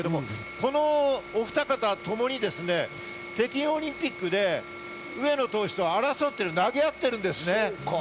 このおふた方ともに北京オリンピックで上野投手と争って、投げ合っているんです。